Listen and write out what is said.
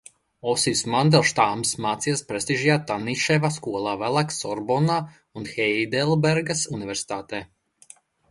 Osips Mandelštams mācījās prestižajā Taniševa skolā, vēlāk Sorbonnā un Heidelbergas universitātē.